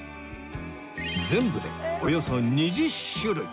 全部でおよそ２０種類